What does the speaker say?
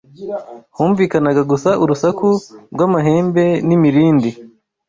Humvikanaga gusa urusaku rw’amahembe n’imirindi